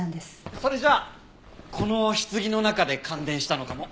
それじゃこの棺の中で感電したのかも。